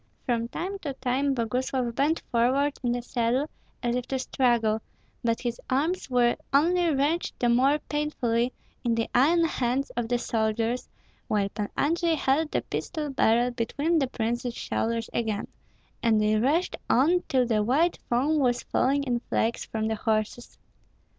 From time to time Boguslav bent forward in the saddle as if to struggle; but his arms were only wrenched the more painfully in the iron hands of the soldiers, while Pan Andrei held the pistol barrel between the princess shoulders again, and they rushed on till the white foam was falling in flakes from the horses.